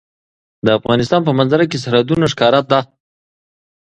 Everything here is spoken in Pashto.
د افغانستان په منظره کې سرحدونه ښکاره ده.